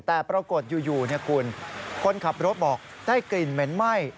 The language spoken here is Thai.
แต่ปรากฏอยู่คุณคนขับรถบอกได้กลิ่นเหม็นไหม้